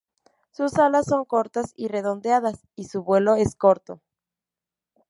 Sus alas son cortas y redondeadas y su vuelo es corto.